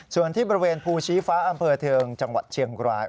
ส่วนที่บริเวณภูชีฟ้าอำเภอเทิงจังหวัดเชียงราย